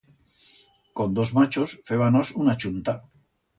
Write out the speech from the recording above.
Con dos machos fébanos una chunta.